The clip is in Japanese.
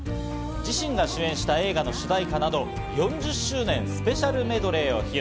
自身が主演した映画の主題歌など、４０周年スペシャルメドレーを披露。